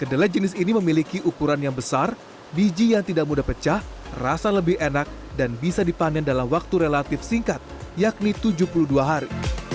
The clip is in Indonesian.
kedelai jenis ini memiliki ukuran yang besar biji yang tidak mudah pecah rasa lebih enak dan bisa dipanen dalam waktu relatif singkat yakni tujuh puluh dua hari